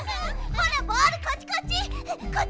ほらボールこっちこっち！